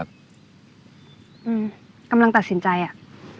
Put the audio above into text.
อืมกำลังตัดสินใจอ่ะ